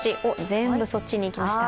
全部そっちにいきました。